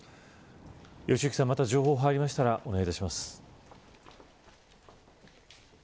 良幸さん、情報が入りましたらまたよろしくお願いします。